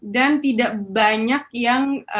dan tidak banyak yang